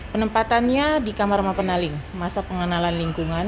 penempatannya di kamar mapenaling masa pengenalan lingkungan